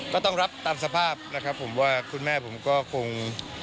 ก็ต้องรับตามสภาพว่าคุณแหม่ผมก็คง